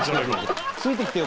ついてきてよ